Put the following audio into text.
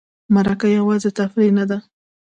مرکه یوازې تفریح نه ده.